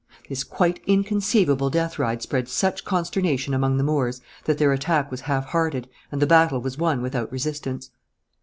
This quite inconceivable death ride spread such consternation among the Moors that their attack was half hearted and the battle was won without resistance.